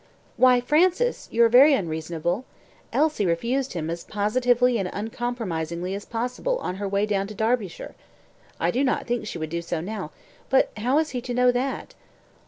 "Why, Francis, you are very unreasonable. Elsie refused him as positively and uncompromisingly as possible on her way down to Derbyshire. I do not think she would do so now; but how is he to know that?"